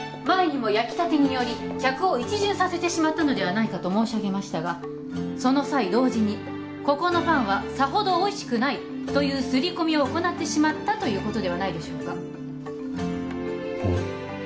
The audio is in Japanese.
前にも焼きたてにより客を一巡させてしまったのではないかと申し上げましたがその際同時に「ここのパンはさほどおいしくない」という刷り込みを行ってしまったということではないでしょうかうん？